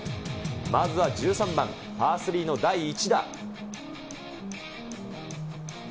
まずは１３番パー３の第１打。